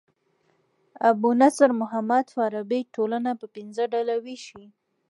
ابو نصر محمد فارابي ټولنه پر پنځه ډوله ويشي.